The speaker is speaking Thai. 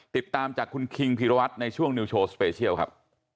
ติดตามจากคุณคิงพีรวัตรในช่วงนิวโชว์สเปเชียลครับ